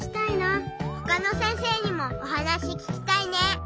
ほかの先生にもおはなしききたいね。